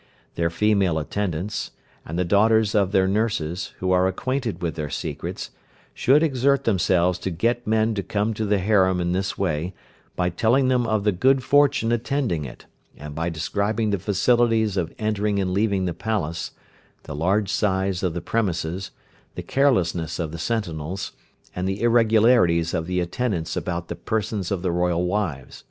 Their female attendants, and the daughters of their nurses, who are acquainted with their secrets, should exert themselves to get men to come to the harem in this way by telling them of the good fortune attending it, and by describing the facilities of entering and leaving the palace, the large size of the premises, the carelessness of the sentinels, and the irregularities of the attendants about the persons of the royal wives.